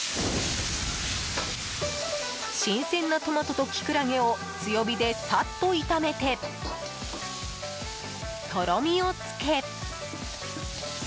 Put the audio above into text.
新鮮なトマトとキクラゲを強火でサッと炒めてとろみをつけ。